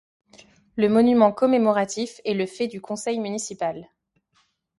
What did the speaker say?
Le monument commémoratif est le fait du conseil municipal.